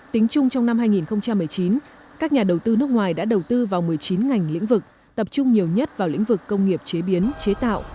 tính chung trong năm hai nghìn một mươi chín các nhà đầu tư nước ngoài đã đầu tư vào một mươi chín ngành lĩnh vực tập trung nhiều nhất vào lĩnh vực công nghiệp chế biến chế tạo